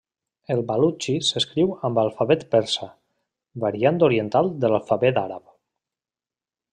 El balutxi s'escriu amb alfabet persa, variant oriental de l'alfabet àrab.